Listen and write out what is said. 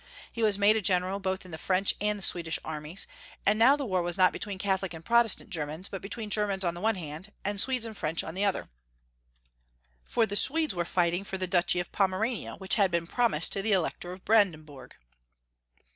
He was made a general both in the French and in the Swedish armies, and now the war was not between Catholic and Protestant Germans, but between Germans on the one hand, and Gwcdes and French on the other ; for the Swedes were fighting for the duchy of Pomerania, which had been promised to the Elector of Brandenburg.